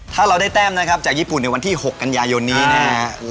ถ้าเราได้แต้มนะครับจากญี่ปุ่นในวันที่๖กันยายนนี้นะฮะ